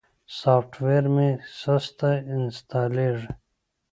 سافټویر مې سسته انستالېږي.